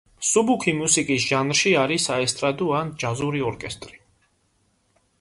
მსუბუქი მუსიკის ჟანრში არის საესტრადო ან ჯაზური ორკესტრი.